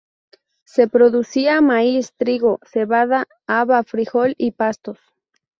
Se producía maíz, trigo, cebada, haba, frijol y pastos.